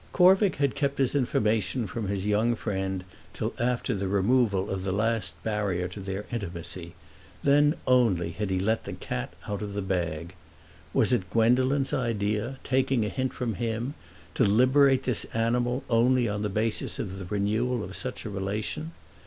Corvick had kept his information from his young friend till after the removal of the last barrier to their intimacy—then only had he let the cat out of the bag. Was it Gwendolen's idea, taking a hint from him, to liberate this animal only on the basis of the renewal of such a relation?